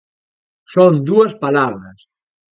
Son dúas palabras.